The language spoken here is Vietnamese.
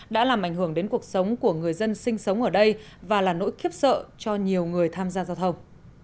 đã làm ảnh hưởng đến cuộc sống của người dân sinh sống ở đây và là nỗi khiếp sợ cho nhiều người tham gia giao thông